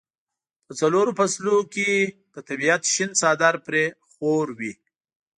په څلورو فصلونو کې د طبیعت شین څادر پرې خور وي.